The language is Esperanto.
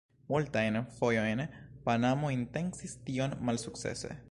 Multajn fojojn Panamo intencis tion, malsukcese.